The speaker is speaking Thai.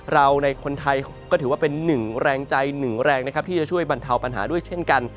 เราในคนไทยก็ถือว่าเป็นหนึ่งแรงใจหนึ่งแรงนะครับที่จะช่วยบรรเทาปัญหาด้วยเช่นกัน